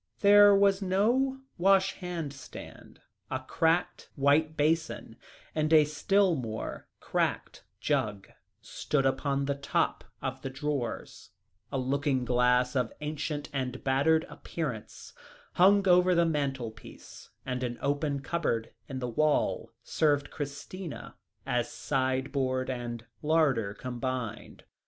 There was no wash hand stand; a cracked white basin and a still more cracked jug stood upon the top of the drawers, a looking glass of ancient and battered appearance hung over the mantelpiece, and an open cupboard in the wall served Christina as sideboard and larder combined.